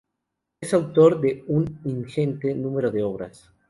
Es autor de un ingente número de obras.